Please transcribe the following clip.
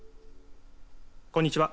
こんにちは。